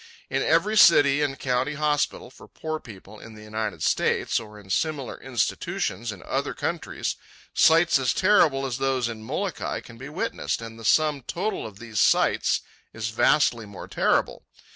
In every city and county hospital for poor people in the United States, or in similar institutions in other countries, sights as terrible as those in Molokai can be witnessed, and the sum total of these sights is vastly more terrible.